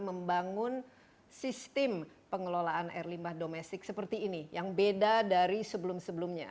membangun sistem pengelolaan air limbah domestik seperti ini yang beda dari sebelum sebelumnya